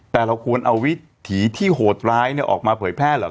แต่เราควรเอาวิถีที่โหดร้ายออกมาเผยแพร่เหรอ